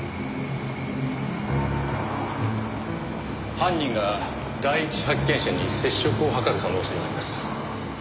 犯人が第一発見者に接触を図る可能性があります。